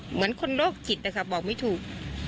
เหมือนคนโลกคิดแต่ครับบอกไม่ถูก